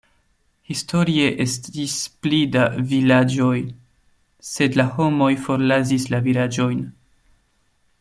Historie estis pli da vilaĝoj, sed la homoj forlasis la vilaĝojn.